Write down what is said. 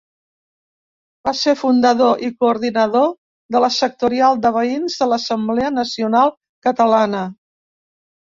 Va ser fundador i coordinador de la sectorial de Veïns de l'Assemblea Nacional Catalana.